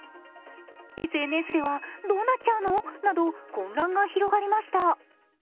ＳＮＳでは、どうなっちゃうの？など混乱が広がりました。